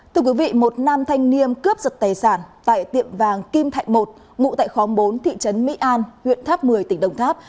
thưa quý vị một nam thanh niêm cướp sật tài sản tại tiệm vàng kim thạch một ngụ tại khóng bốn thị trấn mỹ an huyện tháp một mươi tỉnh đồng tháp